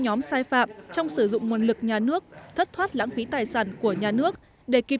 nhóm sai phạm trong sử dụng nguồn lực nhà nước thất thoát lãng phí tài sản của nhà nước để kịp